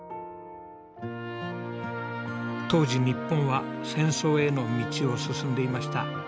当時日本は戦争への道を進んでいました。